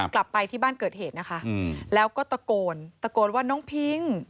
กลับไปที่บ้านเกิดเหตุนะคะแล้วก็ตะโกนตะโกนว่าน้องพิ้ง